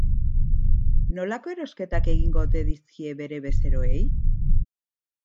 Nolako erosketak egingo ote dizkie bere bezeroei?